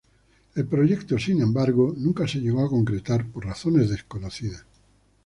El proyecto, sin embargo, nunca se llegó a concretar por razones desconocidas.